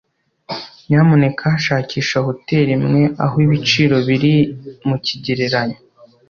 nyamuneka shakisha hoteri imwe aho ibiciro biri mukigereranyo